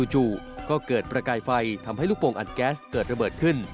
จู่ก็เกิดประกายไฟทำให้ลูกโปรงอัดแก๊สเกิดระเบิดขึ้น